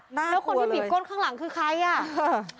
หน้ากลัวเลยแล้วคนที่บีบก้นข้างหลังคือใครอย่างนั้น